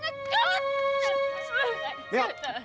kamu keterlaluan